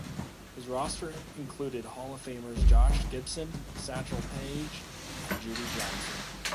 His roster included Hall of Famers Josh Gibson, Satchel Paige, and Judy Johnson.